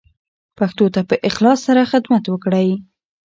پښتو ته په اخلاص سره خدمت وکړئ.